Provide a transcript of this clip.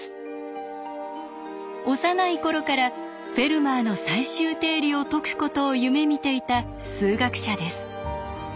幼い頃から「フェルマーの最終定理」を解くことを夢みていた数学者です。